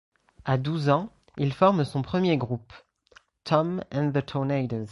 A douze ans, il forme son premier groupe, Tom and the Tornadoes.